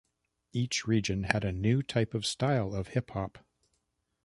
Each region had a new type of style of hip hop.